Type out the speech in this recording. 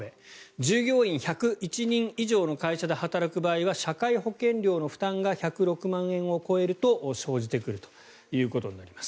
従業員１０１人以上の会社で働く場合は社会保険料の負担が１０６万円を超えると生じてくるということになります。